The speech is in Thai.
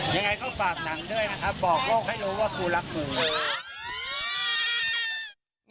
ยังไงก็ฝากนังด้วยนะคะบอกโลกให้รู้ว่าคุณรักผมเลย